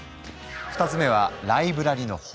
２つ目はライブラリの豊富さ。